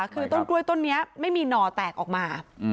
คือต้นกล้วยต้นนี้ไม่มีหน่อแตกออกมา